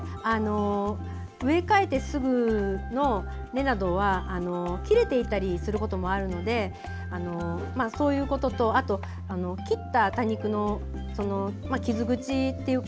植え替えてすぐの根などは切れていたりすることもあるのでそういうことと切った多肉の傷口というか